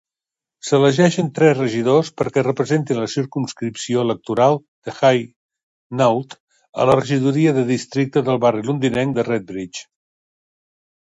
S'elegeixen tres regidors perquè representin la circumscripció electoral de Hainault a la regidoria de districte del barri londinenc de Redbridge.